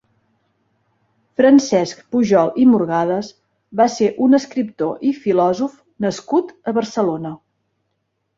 Francesc Pujols i Morgades va ser un escriptor i filòsof nascut a Barcelona.